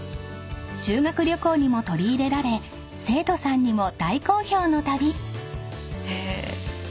［修学旅行にも取り入れられ生徒さんにも大好評の旅］